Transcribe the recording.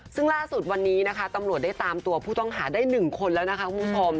ซึ่งล่าสุดวันนี้นะคะตำรวจได้ตามตัวผู้ต้องหาได้๑คนแล้วนะคะคุณผู้ชม